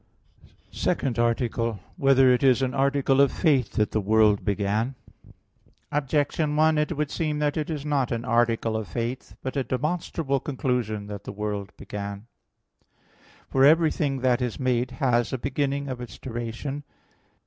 _______________________ SECOND ARTICLE [I, Q. 46, Art. 2] Whether It Is an Article of Faith That the World Began? Objection 1: It would seem that it is not an article of faith but a demonstrable conclusion that the world began. For everything that is made has a beginning of its duration.